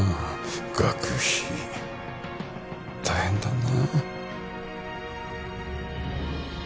学費大変だな？